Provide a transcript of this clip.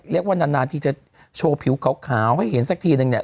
ว่านานทีจะโชว์ผิวขาวให้เห็นสักทีนึงเนี่ย